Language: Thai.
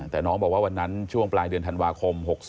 แต่น้องบอกว่าวันนั้นช่วงปลายเดือนธันวาคม๖๒